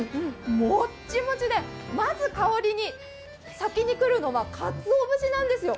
もっちもちで、まず香りに、先に来るのがかつお節なんですよ。